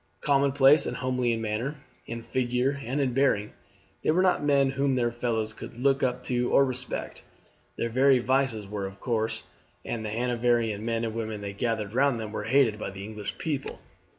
Commonplace and homely in manner, in figure, and in bearing, they were not men whom their fellows could look up to or respect; their very vices were coarse, and the Hanoverian men and women they gathered round them were hated by the English people.